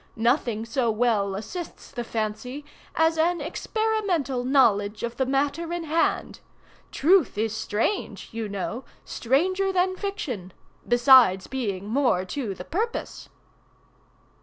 Nothing so well assists the fancy, as an experimental knowledge of the matter in hand. 'Truth is strange,' you know, 'stranger than fiction'—besides being more to the purpose."